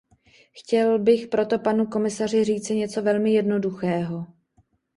Chtěl bych proto panu komisaři říci něco velmi jednoduchého.